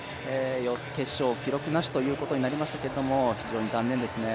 決勝、記録なしということになりましたが、非常に残念ですね。